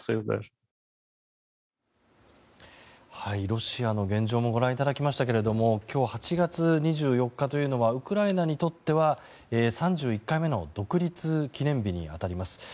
ロシアの現状もご覧いただきましたが今日、８月２４日というのはウクライナにとっては３１回目の独立記念日に当たります。